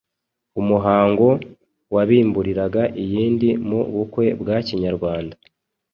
Umuhango wabimburiraga iyindi mu bukwe bwa Kinyarwanda